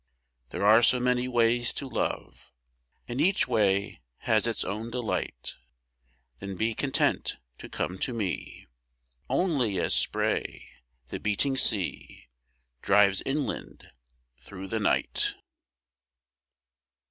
There are so many ways to love And each way has its own delight Then be content to come to me Only as spray the beating sea Drives inland through the night.